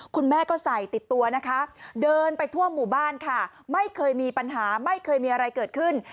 คุณแม่ก็ใส่ติดตัวนะคะเดินไปทั่วหมู่บ้านค่ะไม่เคยมีปัญหาไม่เคยมีอะไรเกิดขึ้น